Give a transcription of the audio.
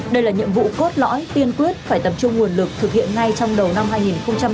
đây là nhiệm vụ cốt lõi tiên quyết phải tập trung nguồn lực thực hiện ngay trong đầu năm hai nghìn hai mươi